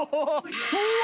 ・うわ！